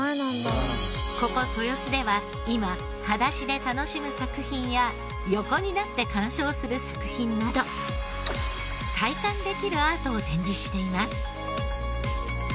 ここ豊洲では今裸足で楽しむ作品や横になって鑑賞する作品など体感できるアートを展示しています。